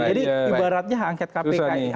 jadi ibaratnya hak angket kpk